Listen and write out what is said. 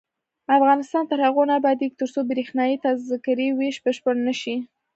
افغانستان تر هغو نه ابادیږي، ترڅو بریښنايي تذکرې ویش بشپړ نشي.